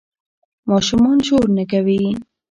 ماشومان شور نه کوي.